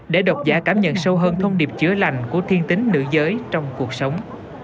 để độc giả cảm nhận sâu hơn thông điệp chữa lành của thiên tính nữ giới trong cuộc sống